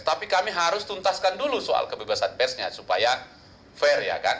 tapi kami harus tuntaskan dulu soal kebebasan persnya supaya fair ya kan